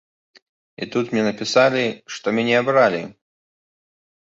І тут мне напісалі, што мяне абралі!